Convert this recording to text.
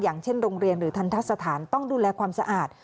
อย่างเช่นโรงเรียนหรือทันทะสถานต้องดูแลความสะอาด